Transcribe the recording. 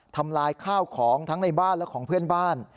ทำลายข้าวของทั้งในบ้านและของเพื่อนบ้าน